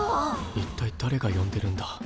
一体だれが呼んでるんだ。